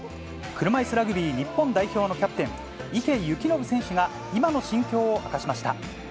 車いすラグビー日本代表のキャプテン、池透暢選手が今の心境を明かしました。